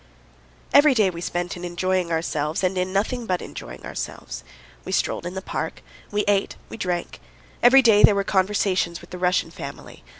Every day we spent in enjoying ourselves and in nothing but enjoying ourselves; we strolled in the park, we ate, we drank. Every day there were conversations with the Russian family.